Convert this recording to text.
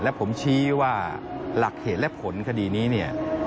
และผมชี้ว่าหลักเหตุและผลคดีนี้เนี่ย